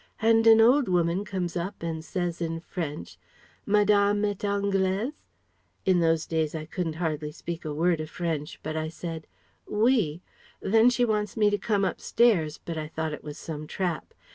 And an old woman comes up and says in French, 'Madame est Anglaise?' In those days I couldn't hardly speak a word o' French, but I said 'Oui.' Then she wants me to come upstairs but I thought it was some trap.